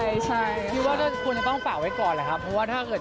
คิดว่าคู่จะต้องฝากไว้ก่อนเพราะว่าถ้าเขียนช้าไปกว่านี้